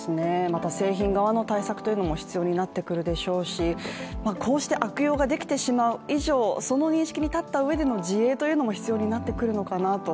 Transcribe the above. また製品側の対策も必要になってくるでしょうしこうして悪用ができてしまう以上その認識に立ったうえでの自衛というのも必要になってくるのかなと。